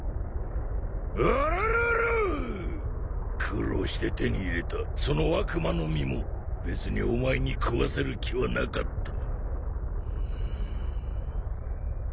苦労して手に入れたその悪魔の実も別にお前に食わせる気はなかった。